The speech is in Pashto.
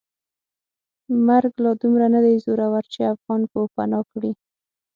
مرګ لا دومره ندی زورور چې افغان پوپناه کړي.